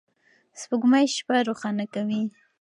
سپوږمۍ شپه روښانه کوي.